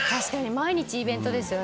毎日イベントですよね。